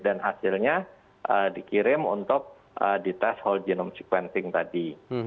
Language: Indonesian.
dan hasilnya dikirim untuk di tes whole genome sequencing tadi